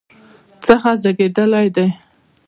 څخه زیږیدلی دی